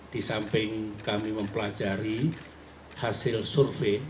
di samping kami mempelajari hasil survei